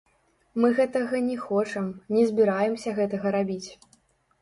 Мы гэтага не хочам, не збіраемся гэтага рабіць.